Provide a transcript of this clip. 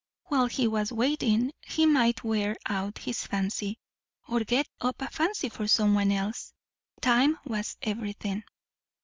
While he was waiting, he might wear out his fancy, or get up a fancy for some one else. Time was everything.